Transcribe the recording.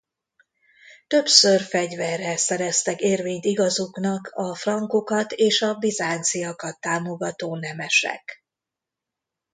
Többször fegyverrel szereztek érvényt igazuknak a frankokat és a bizánciakat támogató nemesek.